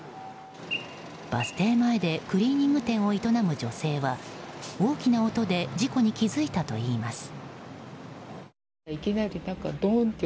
バス停前でクリーニング店を営む女性は大きな音で事故に気付いたといいます。